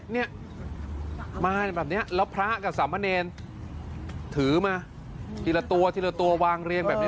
เนี่ยมาแบบนี้แล้วพระกับสามเณรถือมาทีละตัวทีละตัววางเรียงแบบนี้